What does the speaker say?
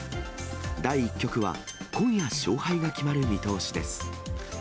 第１局は今夜、勝敗が決まる見通しです。